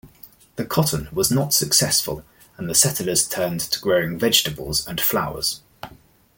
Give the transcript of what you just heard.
The cotton was not successful and the settlers turned to growing vegetables and flowers.